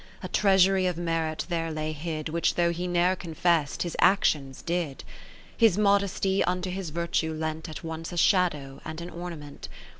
A treasury of merit there lay hid, Which though he ne'er confess'd, his actions did. His modesty unto his virtue lent At once a shadow and an ornament.